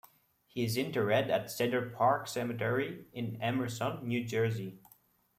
He is interred at Cedar Park Cemetery, in Emerson, New Jersey.